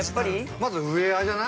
◆まずウエアじゃない？